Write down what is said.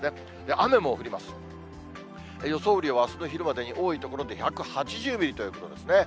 雨量は、あすの昼までに多い所で１８０ミリということですね。